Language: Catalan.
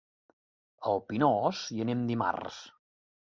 A el Pinós hi anem dimarts.